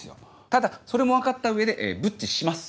ただそれも分かった上でブッチします。